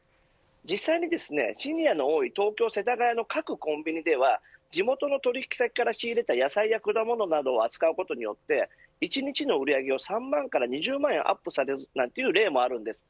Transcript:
実際にシニアの多い東京、世田谷の各コンビニでは地元の取引先から仕入れた野菜や果物などを扱うことで１日の売り上げを３万から２０万円アップされたという例もあるんです。